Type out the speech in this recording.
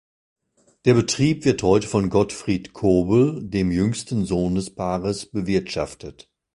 Der Betrieb wird heute von Gottfried Kobel, dem jüngsten Sohn des Paares, bewirtschaftet.